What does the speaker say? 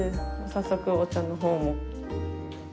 早速お茶のほうも。